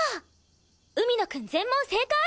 海野くん全問正解！